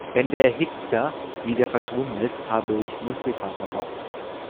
Wenn der Hickser wieder verschwunden ist, habe ich Muskelkater im Bauch.